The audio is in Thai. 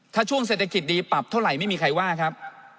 ถ้าช่วงเศรษฐกิจดีปรับเท่าไหร่ไม่มีใครว่าครับ